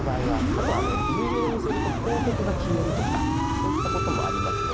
あとは有料にすると広告が消えるとかそういったこともありますので。